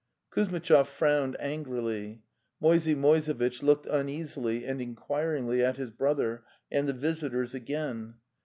..." Kuzmitchov frowned angrily. Moisey Moise vitch looked uneasily and inquiringly at his brother and the visitors again.